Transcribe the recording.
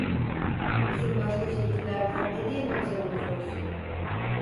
Bizim başka şehirlerden ne diye noksanımız olsun?